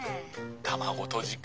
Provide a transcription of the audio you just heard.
卵とじか。